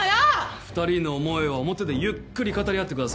２人の思いは表でゆっくり語り合ってください。